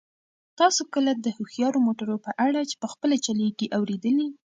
تاسو کله د هوښیارو موټرو په اړه چې په خپله چلیږي اورېدلي؟